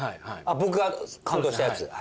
僕が感動したやつ。